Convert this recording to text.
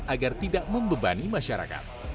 agar tidak membebani masyarakat